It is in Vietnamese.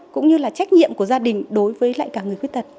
cũng như là trách nhiệm của gia đình đối với lại cả người khuyết tật